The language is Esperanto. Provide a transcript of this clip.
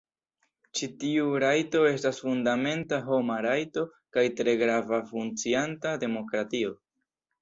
Ĉi tiu rajto estas fundamenta homa rajto kaj tre grava por funkcianta demokratio.